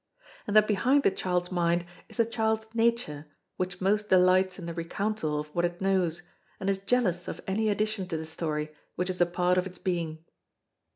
And that behind the child's mind is the child's nature which most delights in the recountal of what it knows, and is jealous of any addition to the story which is a part of its being.